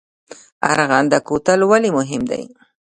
ارغنده کوتل ولې مهم دی؟